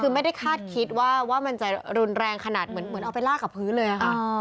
คือไม่ได้คาดคิดว่ามันจะรุนแรงขนาดเหมือนเอาไปลากกับพื้นเลยค่ะ